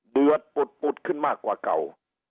เดือดปุดขึ้นมากกว่าเก่า